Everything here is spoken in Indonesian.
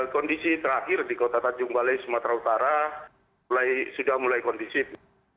kondisi terakhir di kota tanjung balai sumatera utara sudah mulai kondisif